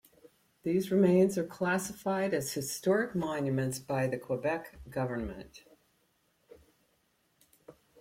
These remains are classified as historic monuments by the Quebec government.